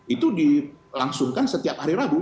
itu dilangsungkan setiap hari rabu